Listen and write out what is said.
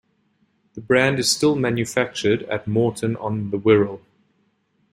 The brand is still manufactured at Moreton on the Wirral.